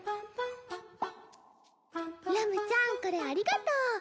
ラムちゃんこれありがとう。